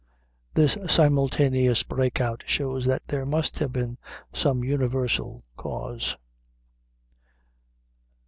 This simultaneous break out shows that there must have been some universal cause."